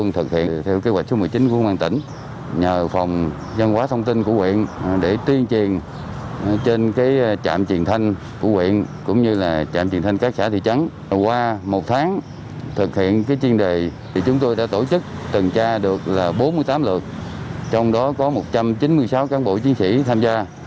trong đó có một trăm chín mươi sáu cán bộ chiến sĩ tham gia